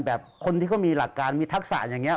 คนที่เขามีหลักการมีทักษะอย่างนี้